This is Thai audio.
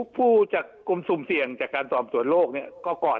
ผู้จับกลุ่มสุ่มเสี่ยงจากการสอบสวนโลกเนี่ยก็ก่อน